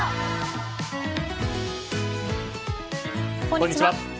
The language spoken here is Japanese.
こんにちは。